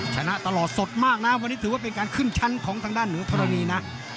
ชนะตลอดสดมากนะวันนี้ถือว่าเป็นการขึ้นชั้นของทางด้านเหนือธรณีนะ